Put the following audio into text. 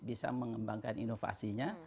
bisa mengembangkan inovasinya